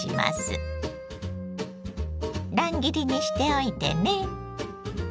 乱切りにしておいてね。